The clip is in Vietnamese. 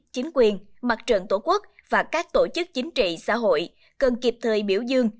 chính quyền mặt trận tổ quốc và các tổ chức chính trị xã hội cần kịp thời biểu dương